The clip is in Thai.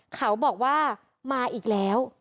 เขาบอกว่ามาอีกแล้ว